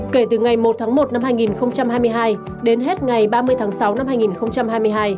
kể từ ngày một tháng một năm hai nghìn hai mươi hai đến hết ngày ba mươi tháng sáu năm hai nghìn hai mươi hai